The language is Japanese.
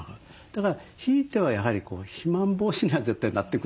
だからひいてはやはり肥満防止には絶対なってくるんですよ。